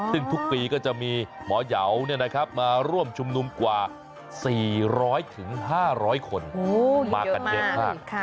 ซึ่งทุกปีก็จะมีหมอยาวมาร่วมชุมนุมกว่า๔๐๐๕๐๐คนมากันเยอะมาก